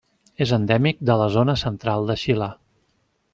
És endèmic de la Zona Central de Xile.